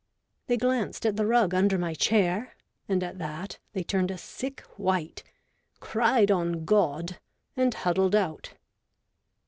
They glanced at the rug under my chair, and at that they turned a sick white, cried on God, and huddled out.